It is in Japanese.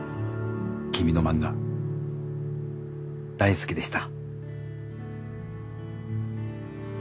キミの漫画大好きでした」。